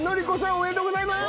おめでとうございます！